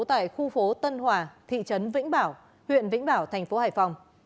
tại khu phố tân hòa thị trấn vĩnh bảo huyện vĩnh bảo tp hải phòng